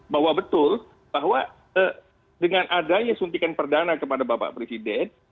bahwa betul bahwa dengan adanya suntikan perdana kepada bapak presiden